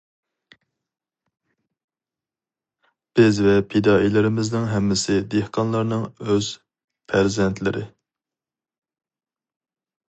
بىز ۋە پىدائىيلىرىمىزنىڭ ھەممىسى دېھقانلارنىڭ ئۆز پەرزەنتلىرى.